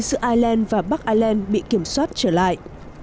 giữa ireland và bắc ireland bị kiểm soát trở lại